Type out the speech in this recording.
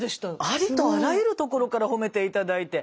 ありとあらゆるところからほめていただいて。